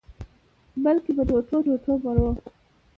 بلکي په ټوټو-ټوټو مرو